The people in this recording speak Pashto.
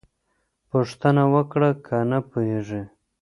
پوښتنه وکړه که نه پوهېږې.